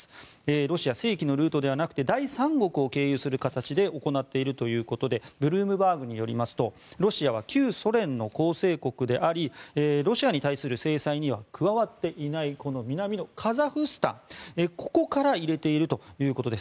ロシア、正規のルートではなくて第三国を経由する形で行っているということでブルームバーグによりますとロシアは旧ソ連の構成国でありロシアに対する制裁には加わっていない南のカザフスタンここから入れているということです。